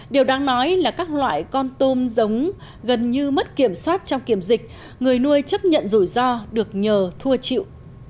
điều đáng nói là các loại con tôm giống gần như mất kiểm soát trong kiểm dịch người nuôi chấp nhận rủi ro được nhờ thua chịu